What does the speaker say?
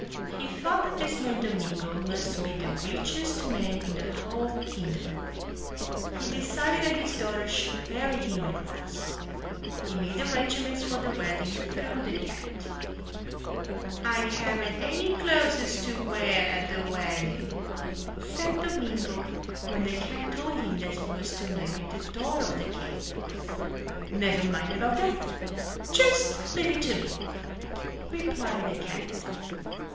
He thought that this man Domingo must be the richest man in the whole kingdom. He decided that his daughter should marry him at once. He made arrangements for the wedding through the cat. "I haven't any clothes to wear at the wedding," said Domingo when the cat told him that he was to marry the daughter of the king. "Never mind about that. Just leave it to me," replied the cat.